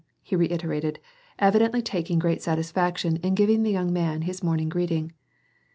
"* he reiterated, evidently tsiking great satisfaction in giving the young man his morning greeting.